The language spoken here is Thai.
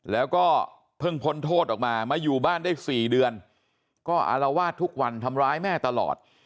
แล้วก็เพิ่งพ้นโทษออกมามาอยู่บ้านได้๔เดือนก็อารวาสทุกวันทำร้ายแม่ตลอด